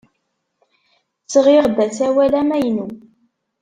Sɣiɣ-d asawal amaynu.